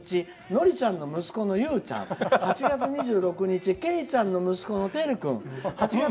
のりちゃんの息子ゆうちゃん８月２６日けいちゃんの息子のてる君。